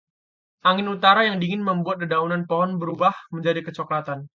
Angin utara yang dingin membuat dedaunan pohon berubah menjadi kecoklatan.